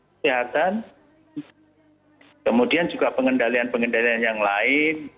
kesehatan kemudian juga pengendalian pengendalian yang lain